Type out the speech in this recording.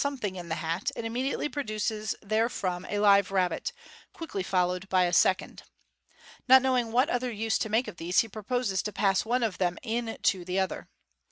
g in the hat, and immediately produces therefrom a live rabbit, quickly followed by a second. Not knowing what other use to make of these, he proposes to pass one of them into the other.